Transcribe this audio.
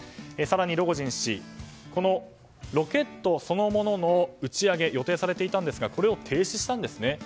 更に、ロゴジン氏ロケットそのものの打ち上げも予定されていたんですがこれを停止したんですね。